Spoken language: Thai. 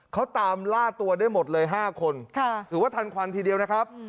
เขาตามล่าตัวได้หมดเลย๕คนถือว่าทันควันทีเดียวนะครับ